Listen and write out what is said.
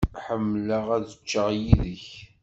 Ḥemmleɣ ad cceɣ yid-k.